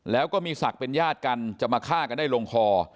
แล้วก็มีศักดิ์เป็นญาติกันจะมาฆ่ากันได้ลงคอ